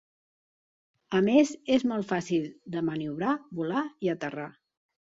A més és molt fàcil de maniobrar, volar i aterrar.